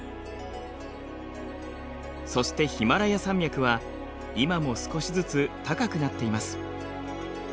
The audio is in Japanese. そしてヒマラヤ山脈は今も少しずつ高くなっています。